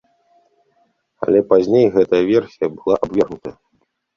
Але пазней гэтая версія была абвергнутая.